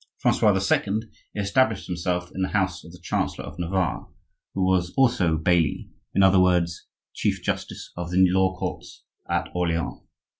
Francois II. established himself in the house of the chancellor of Navarre, who was also bailli, in other words, chief justice of the law courts, at Orleans.